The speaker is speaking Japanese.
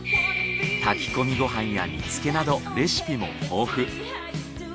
炊き込みご飯や煮付けなどレシピも豊富。